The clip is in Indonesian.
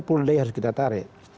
puldei yang harus kita tarik